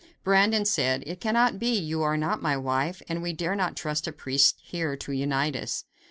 Brandon said: "It cannot be; you are not my wife, and we dare not trust a priest here to unite us."